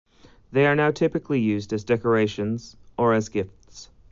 They are now typically used as decorations, or as gifts.